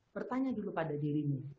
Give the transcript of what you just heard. bertanya dulu pada dirimu